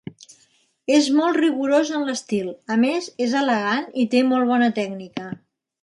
És molt rigorós en l'estil, a més és elegant i té molt bona tècnica.